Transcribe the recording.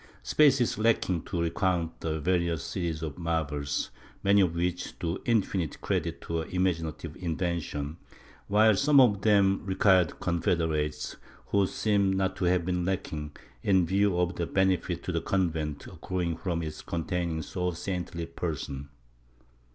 Space is lacking to recount the varied series of marvels, many of which do infinite credit to her imaginative invention, while some of them required confederates, who seem not to have been lacking, in view of the benefit to the convent accruing from its containing so saintly a person.